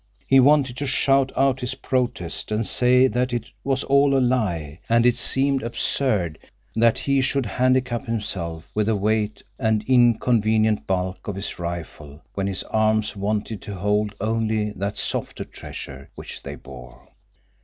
He wanted to shout out his protest and say that it was all a lie, and it seemed absurd that he should handicap himself with the weight and inconvenient bulk of his rifle when his arms wanted to hold only that softer treasure which they bore.